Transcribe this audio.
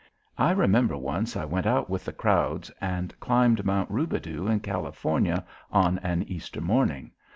I remember once I went out with the crowds and climbed Mt. Rubidoux in California on an Easter morning.